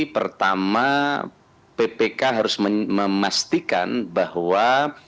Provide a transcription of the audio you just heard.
pertama ppk harus memastikan bahwa